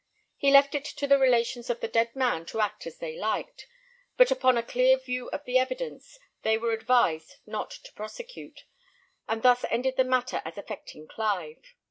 He left it to the relations of the dead man to act as they liked; but upon a clear view of the evidence, they were advised not to prosecute; and thus ended the matter as affecting Clive.